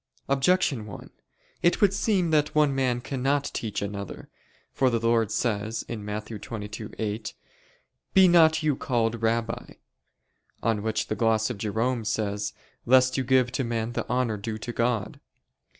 Objection 1: It would seem that one man cannot teach another. For the Lord says (Matt. 22:8): "Be not you called Rabbi": on which the gloss of Jerome says, "Lest you give to men the honor due to God."